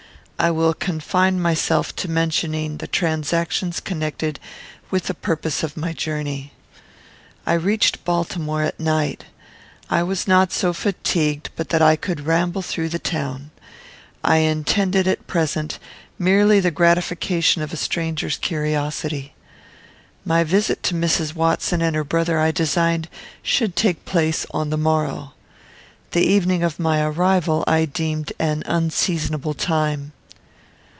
I will confine myself to mentioning the transactions connected with the purpose of my journey. I reached Baltimore at night. I was not so fatigued but that I could ramble through the town. I intended, at present, merely the gratification of a stranger's curiosity. My visit to Mrs. Watson and her brother I designed should take place on the morrow. The evening of my arrival I deemed an unseasonable time.